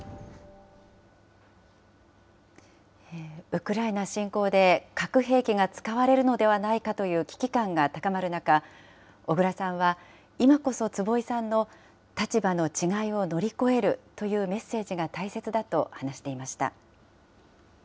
ウクライナ侵攻で、核兵器が使われるのではないかという危機感が高まる中、小倉さんは、今こそ坪井さんの立場の違いを乗り越えるというメッセージが大切だと話していました。